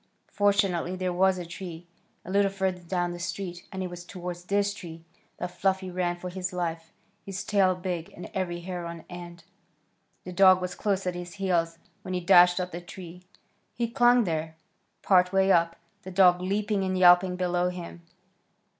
Fortunately there was a tree a little further down the street, and it was toward this tree that Fluffy ran for his life, his tail big, and every hair on end. The dog was close at his heels when he dashed up the tree. He clung there, part way up, the dog leaping and yelping below him.